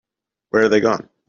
Where are they gone?